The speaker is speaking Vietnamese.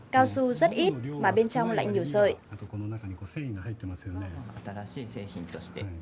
cao su rất ít mà bên trong lạnh nhiều sợi